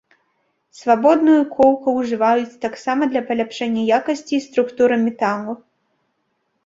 Свабодную коўка ўжываюць таксама для паляпшэння якасці і структуры металу.